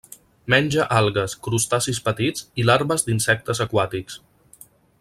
Menja algues, crustacis petits i larves d'insectes aquàtics.